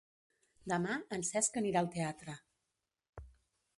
Demà en Cesc anirà al teatre.